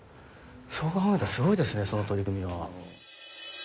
そう考えるとすごいですねその取り組みは。